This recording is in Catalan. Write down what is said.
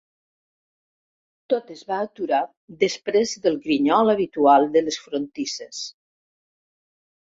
Tot es va aturar després del grinyol habitual de les frontisses.